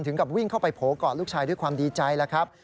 กับวิ่งเข้าไปโผล่กอดลูกชายด้วยความดีใจแล้วครับ